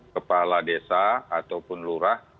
kepala desa ataupun lurah